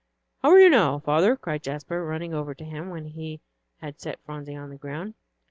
"How are you now, father?" cried Jasper, running over to him when he had set Phronsie on the ground.